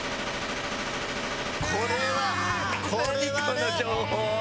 これはこれはね。